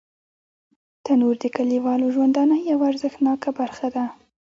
تنور د کلیوالو ژوندانه یوه ارزښتناکه برخه ده